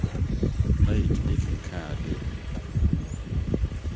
Ná yetumi kenkan ade.